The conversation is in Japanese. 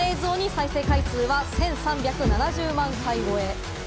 再生回数は１３７０万回超え。